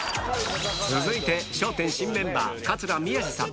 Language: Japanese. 続いて『笑点』新メンバー桂宮治さん